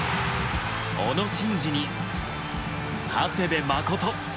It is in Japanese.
小野伸二に長谷部誠。